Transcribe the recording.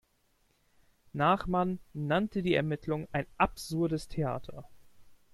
Nachman nannte die Ermittlungen ein „absurdes Theater“.